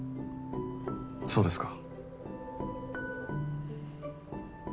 そうですか。